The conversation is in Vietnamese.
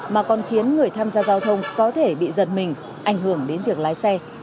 mà còn khiến người tham gia giao thông có thể bị giật mình ảnh hưởng đến việc lái xe